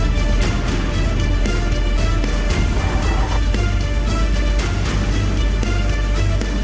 สนับสนุนโดยพี่โพเพี่ยวสะอาดใสไร้คราบ